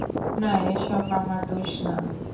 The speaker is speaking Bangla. না, এসব আমার দোষ না!